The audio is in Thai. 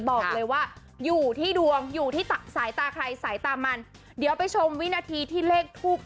บอกเลยว่าอยู่ที่ดวงอยู่ที่สายตาใครสายตามันเดี๋ยวไปชมวินาทีที่เลขทูบ